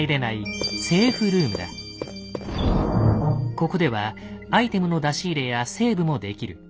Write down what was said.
ここではアイテムの出し入れやセーブもできる。